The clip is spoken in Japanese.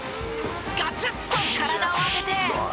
ガツッと体を当てて。